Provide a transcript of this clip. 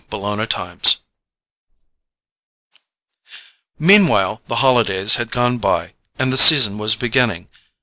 Chapter 11 Meanwhile the holidays had gone by and the season was beginning.